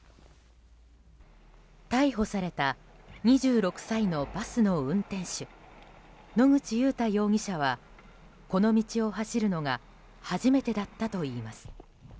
逮捕された２６歳のバスの運転手野口祐太容疑者はこの道を走るのが初めてだったといいます。